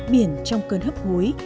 biển trong cơn hấp gối